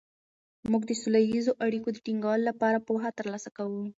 موږ د سوله ییزو اړیکو د ټینګولو لپاره پوهه ترلاسه کوو.